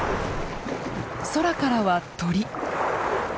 空からは鳥。